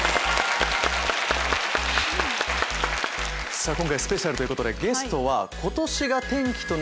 さぁ今回スペシャルということでゲストは。